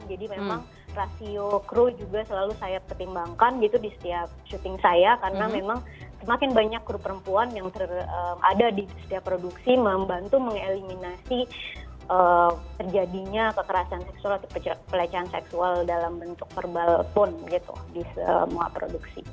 jadi memang rasio kru juga selalu saya pertimbangkan gitu di setiap syuting saya karena memang semakin banyak kru perempuan yang ada di setiap produksi membantu mengeliminasi terjadinya kekerasan seksual atau pelecehan seksual dalam bentuk verbal pun gitu di semua produksi